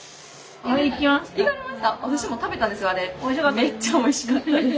めっちゃおいしかったです。